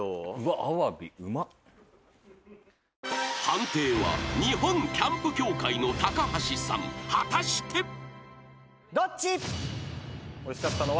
［判定は日本キャンプ協会の橋さん果たして？］どっち？